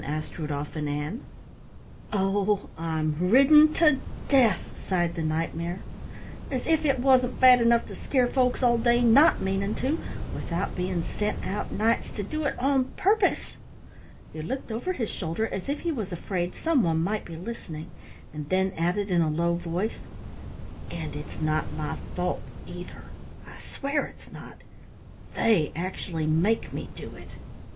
asked Rudolf and Ann. "Oh, I'm ridden to death," sighed the Knight mare. "As if it wasn't bad enough to scare folks all day not meaning to, without being sent out nights to do it on purpose!" He looked over his shoulder as if he was afraid some one might be listening, and then added in a low voice, "And it's not my fault, either, I swear it's not. They actually make me do it!"